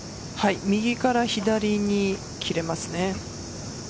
右から左に切れます。